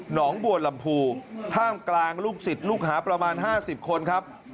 งบัวลำพูท่ามกลางลูกศิษย์ลูกหาประมาณ๕๐คนครับ